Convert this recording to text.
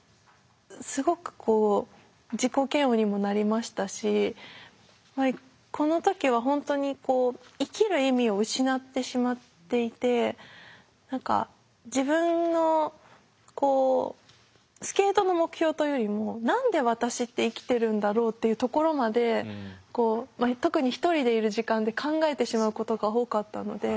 すごくこう自己嫌悪にもなりましたしこの時は本当にこう生きる意味を失ってしまっていて何か自分のスケートの目標というよりも何で私って生きてるんだろうっていうところまでまあ特に１人でいる時間で考えてしまうことが多かったので。